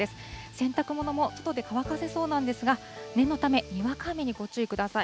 洗濯物も外で乾かせそうなんですが、念のため、にわか雨にご注意ください。